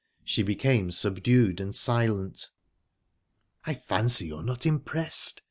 She became subdued and silent. "I fancy you're not impressed?"